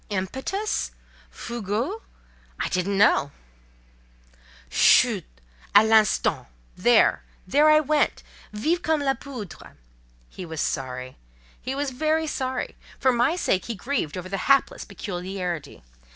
Impetus? Fougue? I didn't know…." "Chut! à l'instant! There! there I went—vive comme la poudre!" He was sorry—he was very sorry: for my sake he grieved over the hapless peculiarity.